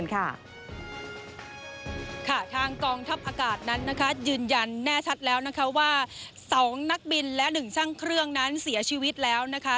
ทางกองทัพอากาศนั้นนะคะยืนยันแน่ชัดแล้วนะคะว่า๒นักบินและ๑ช่างเครื่องนั้นเสียชีวิตแล้วนะคะ